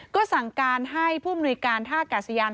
ก็สั่งการให้ผู้มนุยการท่ากาศยาน